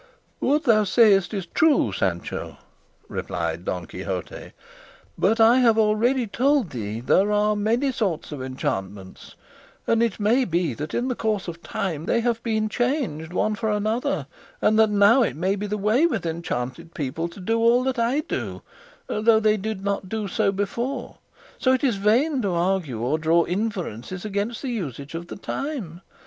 "What thou sayest is true, Sancho," replied Don Quixote; "but I have already told thee there are many sorts of enchantments, and it may be that in the course of time they have been changed one for another, and that now it may be the way with enchanted people to do all that I do, though they did not do so before; so it is vain to argue or draw inferences against the usage of the time.